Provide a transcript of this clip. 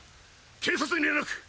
警察に連絡！